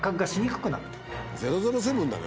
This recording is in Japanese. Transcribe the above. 「００７」だね